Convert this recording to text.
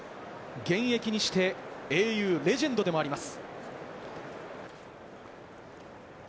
現役にして英雄レジェンドでもあります。